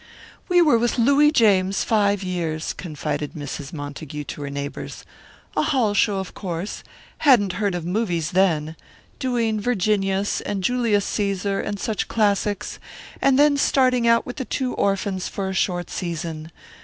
"We were with Looey James five years," confided Mrs. Montague to her neighbours. "A hall show, of course hadn't heard of movies then doing Virginius and Julius Caesar and such classics, and then starting out with The Two Orphans for a short season.